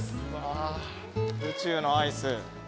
宇宙のアイス。